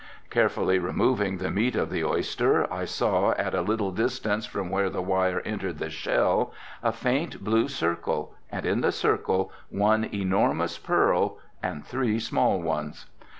Carefully removing the meat of the oyster, I saw at a little distance from where the wire entered the shell a faint blue circle and in the circle, one enormous pearl and three small ones.